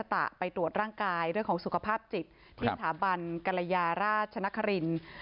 ตะไปตรวจร่างกายเรื่องของสุขภาพจิตที่สถาบันกรยาราชนครินทร์